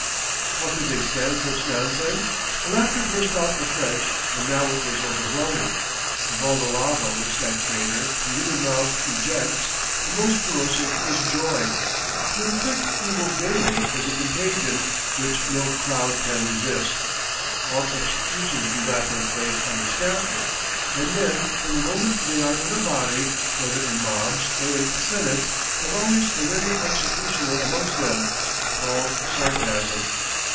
How could they stand such nonsense? The laughter burst out afresh; and now it was overwhelming. Of all the lava which that crater, the human mouth, ejects, the most corrosive is joy. To inflict evil gaily is a contagion which no crowd can resist. All executions do not take place on the scaffold; and men, from the moment they are in a body, whether in mobs or in senates, have always a ready executioner amongst them, called sarcasm.